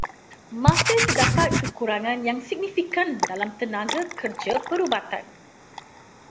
Masih terdapat kekurangan yang signifikan dalam tenaga kerja perubatan.